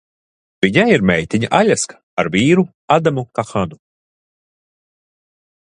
Viņai ir meitiņa Aļaska ar vīru Adamu Kahanu.